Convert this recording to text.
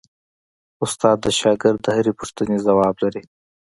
استاد د شاګرد د هرې پوښتنې ځواب لري.